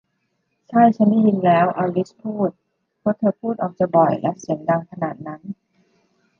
ใช่ ชั้นได้ยินแล้ว อลิซพูด ก็เธอพูดออกจะบ่อยและเสียงดังขนาดนั้น